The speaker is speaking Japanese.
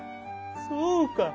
そうか。